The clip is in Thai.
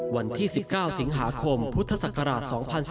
วันที่๑๙สิงหาคมพุทธศักราช๒๔